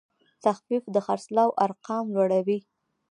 تخفیف د خرڅلاو ارقام لوړوي.